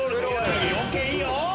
ＯＫいいよ！